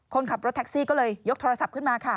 คนขับรถแท็กซี่ก็เลยยกโทรศัพท์ขึ้นมาค่ะ